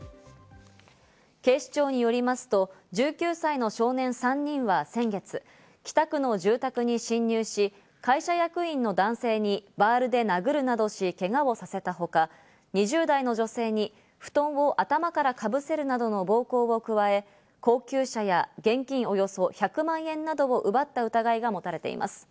警視庁によりますと１９歳の少年３人は先月、北区の住宅に侵入し、会社役員の男性にバールで殴るなどしけがをさせたほか、２０代の女性に布団を頭からかぶせるなどの暴行を加え、高級車や現金およそ１００万円などを奪った疑いが持たれています。